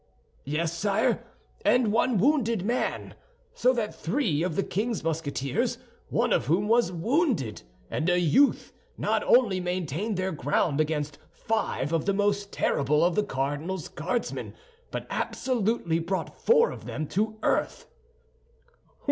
"Yes, sire, and one wounded man; so that three of the king's Musketeers—one of whom was wounded—and a youth not only maintained their ground against five of the most terrible of the cardinal's Guardsmen, but absolutely brought four of them to earth."